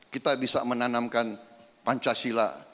kita bisa menanamkan pancasila